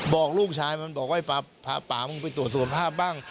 บอกลูกชายมันบอกว่าพาป่ามึงไปตรวจสุขภาพบ้าง